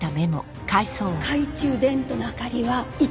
懐中電灯の明かりは５つ。